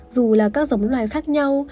dù là các giống loài khác nhau